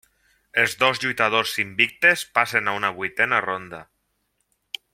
Els dos lluitadors invictes passen a una vuitena ronda.